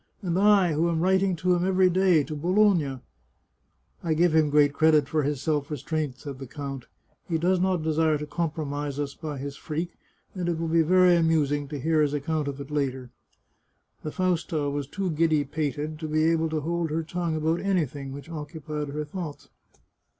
" And I, who am writting to him every day, to Bologna "" I give him great credit for his self restraint," said the count. " He does not desire to compromise us by his 235 The Chartreuse of Parma freak, and it will be very amusing to hear his account of it later." The Fausta was too giddy pated to be able to hold her tongue about anything which occupied her thoughts.